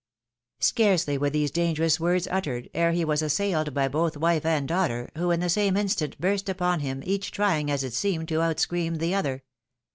Scarcely were these dangerous words uttered, ere he was assailed by both wife and daughter, who in the same instant burst upon him, each trying, as it seemed, to outscream the other.